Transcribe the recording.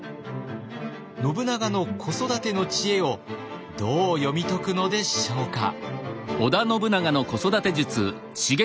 信長の子育ての知恵をどう読み解くのでしょうか。